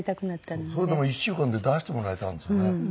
１週間で出してもらえたんですよね。